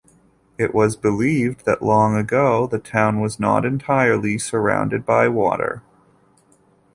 It was believed that long ago, the town was not entirely surrounded by water.